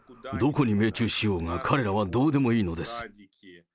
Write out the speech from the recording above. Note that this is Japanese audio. どこに命中しようが彼らはどうでもいいのです。